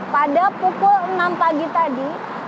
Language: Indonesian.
pada pukul enam pagi tadi